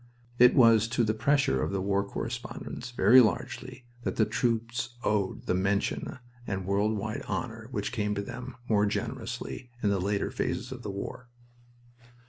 It was to the pressure of the war correspondents, very largely, that the troops owed the mention and world wide honor which came to them, more generously, in the later phases of the war.